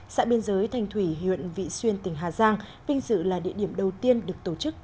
xã biên giới thành thủy huyện vị xuyên tỉnh hà giang vinh dự là địa điểm đầu tiên được tổ chức